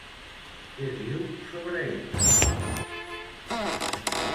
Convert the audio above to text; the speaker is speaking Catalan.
Què diu sobre ella?